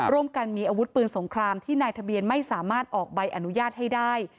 ร่วมกันมีอาวุธปืนสงครามที่นายทะเบียนไม่สามารถออกใบอนุญาตให้ได้